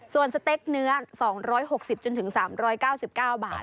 ส่วนสเต็กเนื้อ๒๖๐๓๙๙บาท